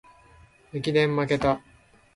駅伝まけた